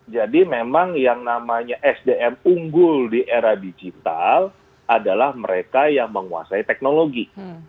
jadi memang yang namanya sdm unggul di era digital adalah mereka yang menguasai teknologi